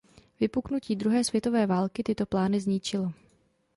Vypuknutí druhé světové války tyto plány zničilo.